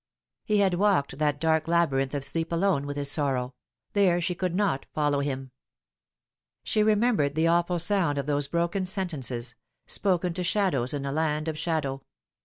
He had walked that dark labyrinth of sleep alone with bis sorrow : there she could not follow him. She remembered the awful found of those broken sentences spoken to shadows in a land of shadow.